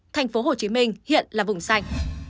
thành phố hồ chí minh hiện là vùng xanh